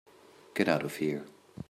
Get out of here.